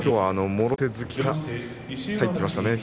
もろ手突きから入ってきましたね。